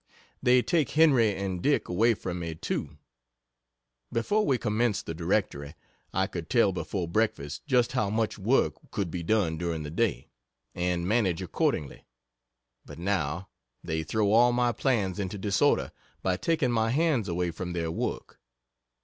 They take Henry and Dick away from me too. Before we commenced the Directory, I could tell before breakfast just how much work could be done during the day, and manage accordingly but now, they throw all my plans into disorder by taking my hands away from their work.